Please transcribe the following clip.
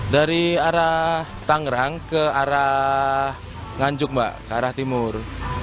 dari arah tangerang ke arah nganjuk mbak ke arah timur